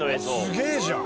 すげえじゃん！